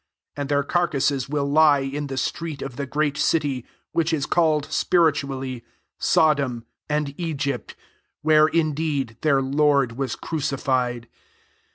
\ And their carcases vnll He n the street of the great city, vhich is called, spiritually, So lom, and Egypt, where, indeed, heir lord was <^rucified.